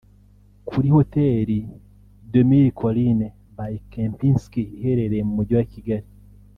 kuri Hotel de Mille Collines by Kempinski iherereye mu mujyi wa Kigali